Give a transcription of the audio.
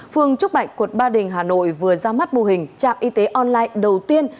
phường trúc bạch quận ba đình hà nội vừa ra mắt mô hình chạm y tế online đầu tiên